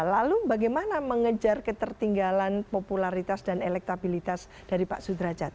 lalu bagaimana mengejar ketertinggalan popularitas dan elektabilitas dari pak sudrajat